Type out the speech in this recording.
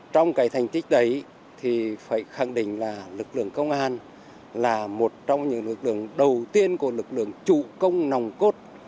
trong cái thành tích đấy thì phải khẳng định là lực lượng công an là một trong những lực lượng đầu tiên của lực lượng chủ công nòng cốt